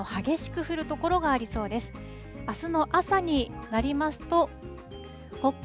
今夜も雨の激しく降る所がありそうです。